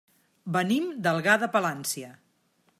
Venim d'Algar de Palància.